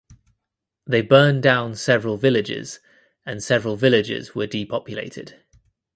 They burned down several villages and several villages were depopulated.